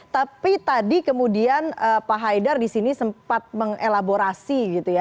tapi tadi kemudian pak haidar disini sempat mengelaborasi